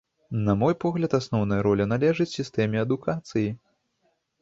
На мой погляд, асноўная роля належыць сістэме адукацыі.